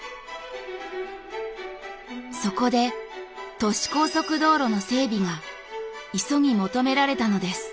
そこで都市高速道路の整備が急ぎ求められたのです。